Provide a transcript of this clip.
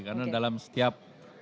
karena dalam setiap